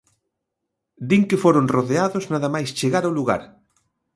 Din que foron rodeados nada máis chegar ao lugar.